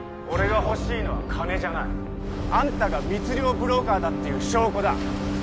俺が欲しいのは金じゃないあんたが密漁ブローカーだっていう証拠だ